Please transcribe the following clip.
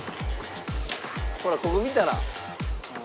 ほらここ見たら。